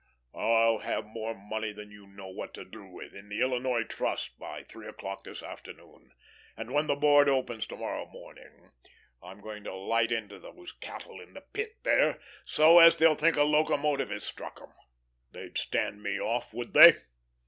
I'll have more money than you'll know what to do with in the Illinois Trust by three o'clock this afternoon, and when the Board opens to morrow morning, I'm going to light into those cattle in the Pit there, so as they'll think a locomotive has struck 'em. They'd stand me off, would they?